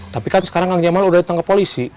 tapi kan sekarang kang jamaah udah datang ke polisi